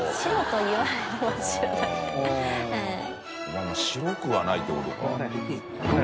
㐂泙白くはないってことか。